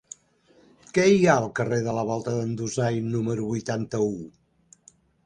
Què hi ha al carrer de la Volta d'en Dusai número vuitanta-u?